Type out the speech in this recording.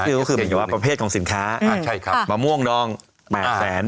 ก็คือหมายว่าประเภทของสินค้าอ่าใช่ครับมะม่วงดองแปดแสน